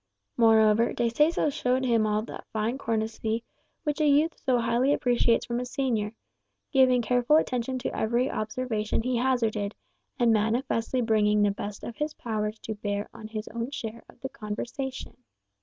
Moreover, De Seso showed him all that fine courtesy which a youth so highly appreciates from a senior, giving careful attention to every observation he hazarded, and manifestly bringing the best of his powers to bear on his own share of the conversation.